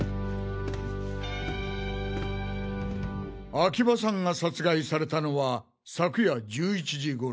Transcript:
秋葉さんが殺害されたのは昨夜１１時頃。